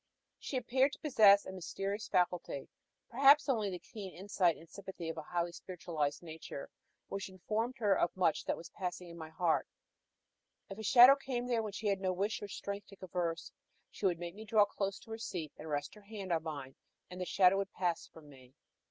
She appeared to possess a mysterious faculty perhaps only the keen insight and sympathy of a highly spiritualized nature which informed her of much that was passing in my heart: if a shadow came there when she had no wish or strength to converse, she would make me draw close to her seat, and rest her hand on mine, and the shadow would pass from me.